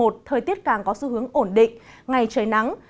thời tiết càng có xu hướng ổn định ngày trời nắng